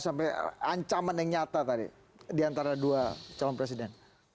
sampai ancaman yang nyata tadi di antara dua calon presiden